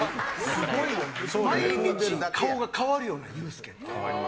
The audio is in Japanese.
毎日顔が変わるよなユースケって。